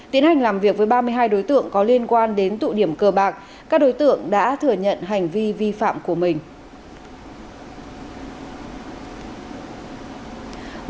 tiến hành làm việc với ba mươi hai đối tượng có liên quan đến tụ điểm cờ bạc các đối tượng đã thừa nhận hành vi vi phạm của mình